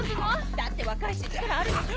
だって若いし力あるでしょ。